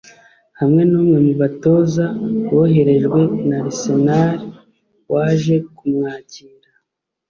Hamwe n’umwe mu batoza boherejwe na Arsenal waje kumwakira